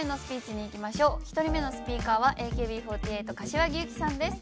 １人目のスピーカーはＡＫＢ４８柏木由紀さんです。